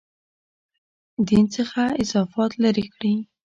دین څخه اضافات لرې کړي.